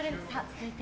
続いて。